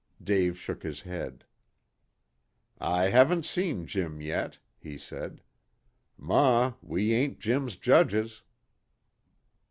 Dave shook his head. "I haven't seen Jim yet," he said. "Ma, we ain't Jim's judges."